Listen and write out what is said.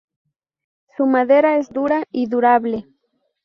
Su madera es dura y durable.